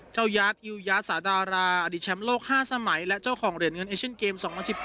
ยาดอิวยาสาดาราอดีตแชมป์โลก๕สมัยและเจ้าของเหรียญเงินเอเชียนเกม๒๐๑๘